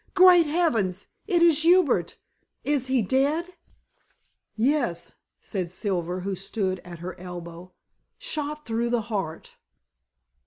"Great heavens! it is Hubert; is he dead?" "Yes," said Silver, who stood at her elbow. "Shot through the heart."